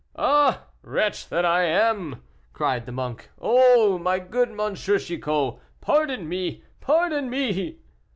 "Ah! wretch that I am!" cried the monk. "Oh! my good M. Chicot, pardon me, pardon me!"